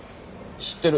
知ってる。